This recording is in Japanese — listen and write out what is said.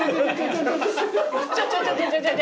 ちょちょちょちょ。